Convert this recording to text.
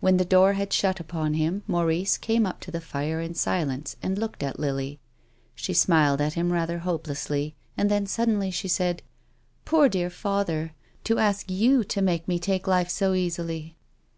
When the door had shut upon him, Maurice came up to the fire in silence and looked at Lily. She smiled at him rather hopelessly, and then suddenly she said: THE DEAD CHILD. 197 " Poor dear father ! To ask you to make me take life so easily